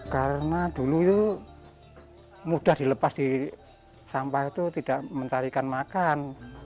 karena dulu itu mudah dilepas di sampah itu tidak mentarikan makan